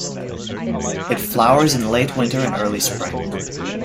It flowers in late winter and early spring.